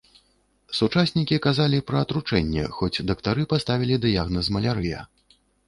Сучаснікі казалі пра атручэнне, хоць дактары паставілі дыягназ малярыя.